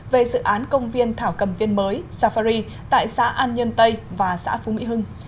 về dự án công viên thảo cầm viên mới safari tại xã an nhân tây và xã phú mỹ hưng